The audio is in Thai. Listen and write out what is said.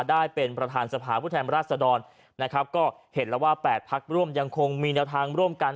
ได้เป็นประธานสภาผู้แทนราชดรนะครับก็เห็นแล้วว่า๘พักร่วมยังคงมีแนวทางร่วมกัน